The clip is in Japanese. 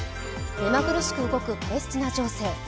目まぐるしく動くパレスチナ情勢。